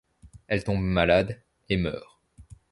Elle tombe malade et meurt.